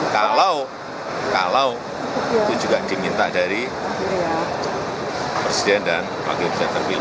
kalau itu juga diminta dari presiden dan wakil presiden terpilih